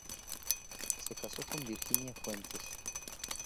Se casó con Virginia Fuentes.